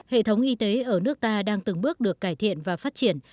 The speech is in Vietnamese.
hệ thống y tế ở nước ta đang từng bước được cải thiện và phát triển